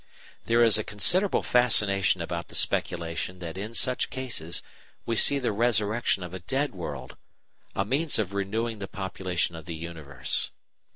There is a considerable fascination about the speculation that in such cases we see the resurrection of a dead world, a means of renewing the population of the universe.